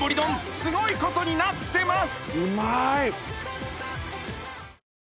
すごいことになってます］